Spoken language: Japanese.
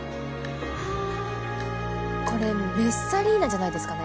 これメッサリーナじゃないですかね？